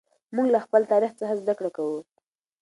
موږ له خپل تاریخ څخه زده کړه کوو.